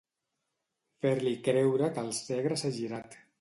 Fer-li creure que el Segre s'ha girat.